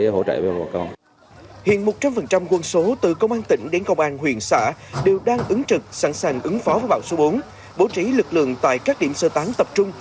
hỗ trợ cho lực lượng cơ sở ứng phó vào số bốn bổ trí lực lượng tại các điểm sơ tán tập trung